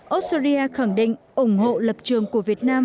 australia khẳng định ủng hộ lập trường của việt nam